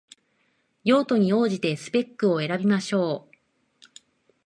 用途に応じてスペックを選びましょう